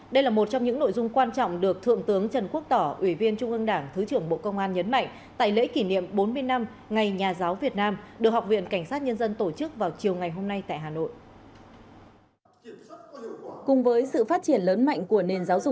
đây là một trong những nội dung quan trọng được thượng tướng trần quốc tỏ ủy viên trung ương đảng thứ trưởng bộ công an nhấn mạnh tại lễ kỷ niệm bốn mươi năm ngày nhà giáo việt nam được học viện cảnh sát nhân dân tổ chức vào chiều ngày hôm nay tại hà nội